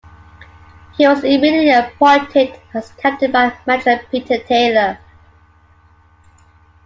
He was immediately appointed as captain by manager Peter Taylor.